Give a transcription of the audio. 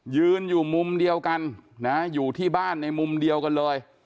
ยืนอยู่มุมเดียวกันนะอยู่ที่บ้านในมุมเดียวกันเลย